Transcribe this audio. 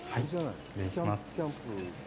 失礼します。